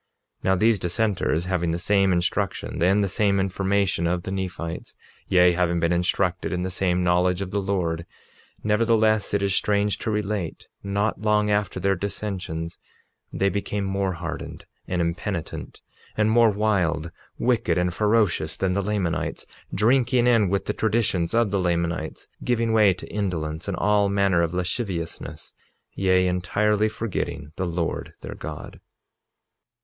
47:36 Now these dissenters, having the same instruction and the same information of the Nephites, yea, having been instructed in the same knowledge of the Lord, nevertheless, it is strange to relate, not long after their dissensions they became more hardened and impenitent, and more wild, wicked and ferocious than the Lamanites—drinking in with the traditions of the Lamanites; giving way to indolence, and all manner of lasciviousness; yea, entirely forgetting the Lord their God.